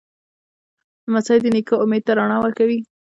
لمسی د نیکه امید ته رڼا ورکوي.